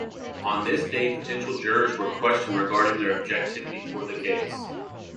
On this day potential jurors were questioned regarding their objectivity towards the case.